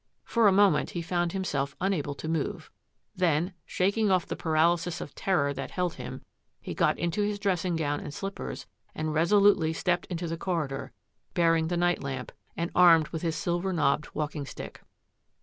For a moment he found himself unable to move. Then, shaking off the paralysis of terror that held him, he got into his dressing gown and slippers and resolutely stepped into the corridor, bearing the night lamp and armed with his silver knobbed walking stick.